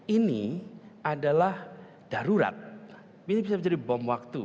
ini adalah darurat ini bisa menjadi bom waktu